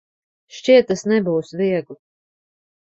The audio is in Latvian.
Šķiet, tas nebūs viegli.